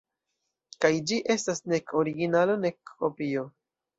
Kaj ĝi estas nek originalo, nek kopio.